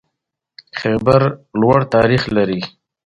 نجلۍ له دعا نه رڼا اخلي.